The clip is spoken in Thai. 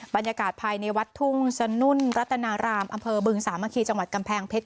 บรรยากาศภายในวัดทุ่งสนุนรัตนารามอบึงสามามีย์คือจังหวัดกำแพงเพชร